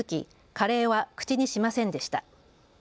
カレーは口にしませんでした。